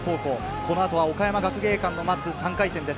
この後は岡山学芸館の待つ３回戦です。